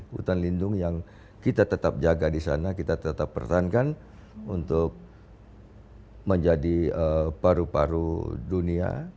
hutan lindung yang kita tetap jaga di sana kita tetap pertahankan untuk menjadi paru paru dunia